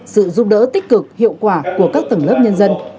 sự giúp đỡ tích cực hiệu quả của các tầng lớp nhân dân